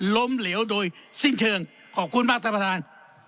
ล้มเหลวโดยสิ้นเชิงขอบคุณมากท่านประธาน